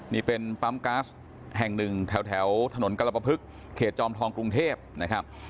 นี่เป็นปั๊มก๊าซแห่งหนึ่งแถวถนนกรปภึกเขตจอมทองกรุงเทพนะครับ